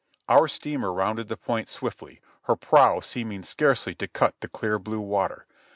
Our steamer rounded the point swiftly, her prow seeming scarcely to cut the clear blue water.